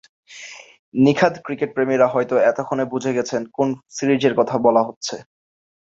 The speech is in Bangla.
নিখাদ ক্রিকেটপ্রেমীরা হয়তো এতক্ষণে বুঝে গেছেন কোন সিরিজের কথা বলা হচ্ছে।